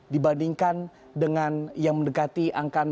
dibandingkan dengan yang mendekati angka